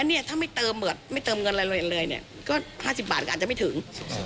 นี่ถ้าไม่เติมเงินหมดเลยเนี่ยเกิน๕๐บาทก็จะไม่ถึง